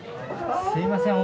すいません。